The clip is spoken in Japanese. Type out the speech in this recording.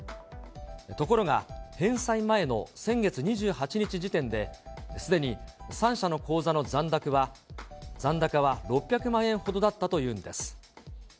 ところが、返済前の先月２８日時点で、すでに３社の口座の残高は６００万円ほどだったというんです。